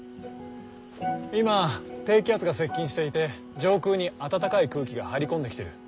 今低気圧が接近していて上空に暖かい空気が入り込んできてる。